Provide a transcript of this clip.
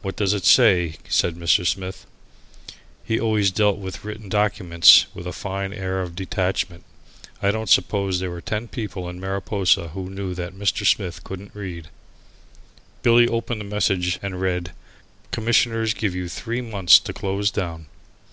"What does it say?" said Mr. Smith. He always dealt with written documents with a fine air of detachment. I don't suppose there were ten people in Mariposa who knew that Mr. Smith couldn't read. Billy opened the message and read, "Commissioners give you three months to close down."